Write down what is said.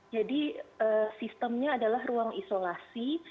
jadi sistemnya adalah ruang isolasi